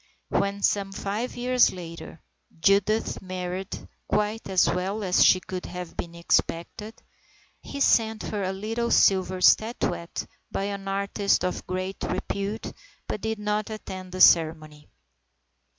When, some five years later, Judith married, quite as well as could have been expected, he sent her a little silver statuette by an artist of great repute, but did not attend the ceremony.